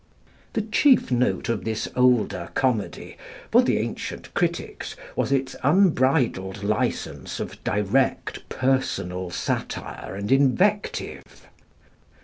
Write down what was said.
The chief note of this older comedy for the ancient critics was its unbridled license of direct personal satire and invective.